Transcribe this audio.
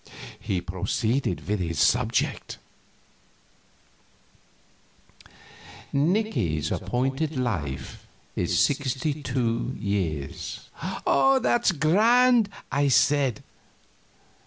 He proceeded with his subject: "Nicky's appointed life is sixty two years." "That's grand!" I said.